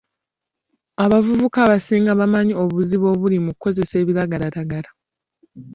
Abavubuka abasinga bamanyi obuzibu obuli mu kukozesa ebiragalalagala.